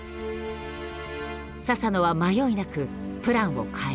佐々野は迷いなくプランを変える。